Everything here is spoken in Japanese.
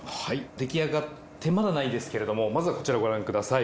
出来上がってまだないですけれどもまずはこちらご覧ください。